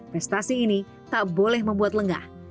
prestasi ini tak boleh membuat lengah